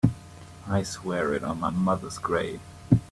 I swear it on my mother's grave.